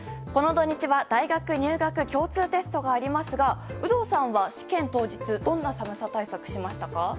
この土日は大学入学共通テストがありますが有働さんは試験当日どんな寒さ対策しましたか？